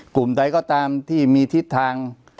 กลุ่มใดก็ตามที่มีทิศทาง